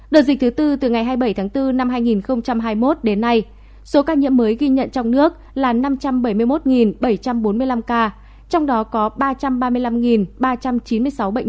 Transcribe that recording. đợt dịch thứ tư từ ngày hai mươi bảy tháng bốn năm hai nghìn hai mươi một đến nay số ca nhiễm mới ghi nhận trong nước là năm trăm bảy mươi một bảy trăm bốn mươi năm ca trong đó có ba trăm ba mươi năm ba trăm chín mươi sáu bệnh nhân